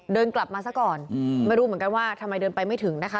เดินกลับมาซะก่อนไม่รู้เหมือนกันว่าทำไมเดินไปไม่ถึงนะคะ